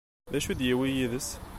D acu i d-yewwi yid-s?